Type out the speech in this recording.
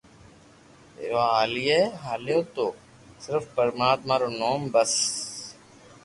ڀيرو ھالئي ھاليو تو صرف پرماتما رو نوم بس